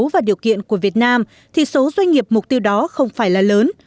và điều kiện của việt nam thì số doanh nghiệp mục tiêu đó không phải là lớn